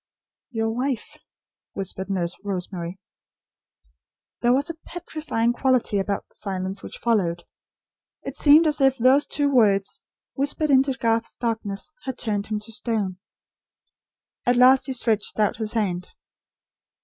"YOUR WIFE," whispered Nurse Rosemary. There was a petrifying quality about the silence which followed. It seemed as if those two words, whispered into Garth's darkness, had turned him to stone. At last he stretched out his hand.